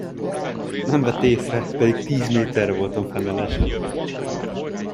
Nem vett észre, pedig tíz méterre voltam fenn a lesen.